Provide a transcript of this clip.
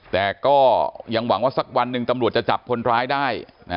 แต่ก็ยังหวังว่าสักวันหนึ่งตำรวจจะจับคนร้ายได้